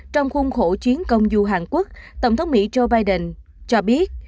trong khuôn khổ chuyến công du hàn quốc tổng thống mỹ joe biden cho biết